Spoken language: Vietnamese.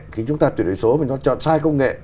khi chúng ta truyền đổi số mà nó chọn sai công nghệ